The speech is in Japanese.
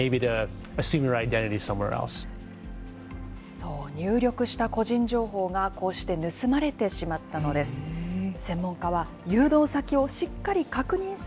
そう、入力した個人情報が、こうして盗まれてしまったのです。